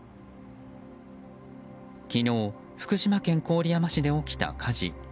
昨日、福島県郡山市で起きた火事。